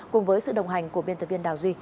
cùng với sự đồng hành của biên tập viên đào duy